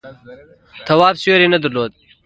تواب سیوری نه درلود.